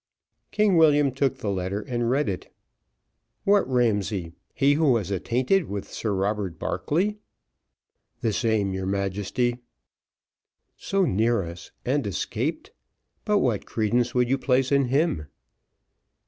King William took the letter and read it. "What Ramsay he who was attainted with Sir Robert Barclay?" "The same, your Majesty." "So near us, and escaped but what credence would you place in him?"